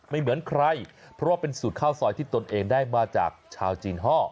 เหมือนใครเพราะว่าเป็นสูตรข้าวซอยที่ตนเองได้มาจากชาวจีนฮ่อ